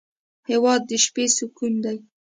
هېواد د شپې سکون دی.